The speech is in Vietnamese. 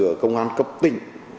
ở công an cấp tỉnh